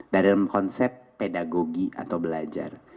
dalam konsep pedagogi atau belajar